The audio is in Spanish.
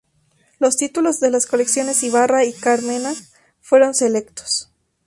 Los títulos de las colecciones "Ibarra" y "Carmena" fueron selectos.